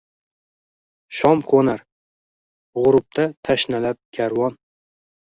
Shom qo’nar. G’urubda tashnalab karvon